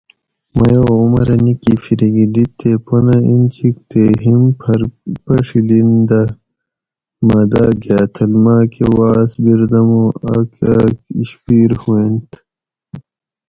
مئ او عمرہ نِکی فریکی دِیت تے پنہ انچِک تے ہم پھر پڛیلین دہ مۤہ داۤ گاۤتھل ماۤکہ واۤس بیردمُو آۤک آۤک اِشپیر ہُوئینت